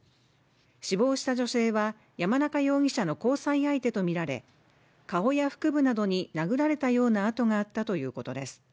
死亡した女性は山中容疑者の交際相手とみられ顔や腹部などに殴られたような痕があったということです。